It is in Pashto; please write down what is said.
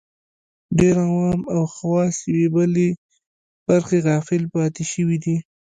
ډېر عوام او خواص یوې بلې برخې غافل پاتې شوي دي